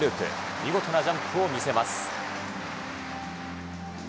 見事なジャンプを見せます。